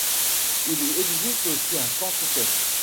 Il y existe aussi un centre équestre.